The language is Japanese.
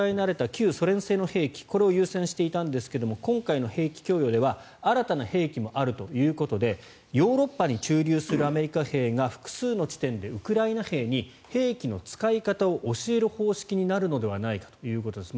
旧ソ連製の兵器を優先していたんですが今回の兵器供与では新たな兵器もあるということでヨーロッパに駐留するアメリカ兵が複数の地点でウクライナ兵に兵器の使い方を教える方式になるのではないかということです。